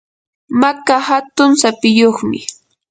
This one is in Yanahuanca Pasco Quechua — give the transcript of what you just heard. maka hatun sapiyuqmi.